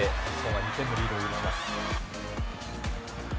２点のリードを許します。